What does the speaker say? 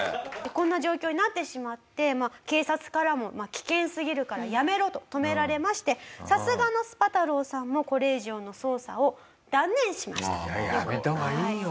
こんな状況になってしまって警察からも危険すぎるからやめろと止められましてさすがのスパ太郎さんもいややめた方がいいよ。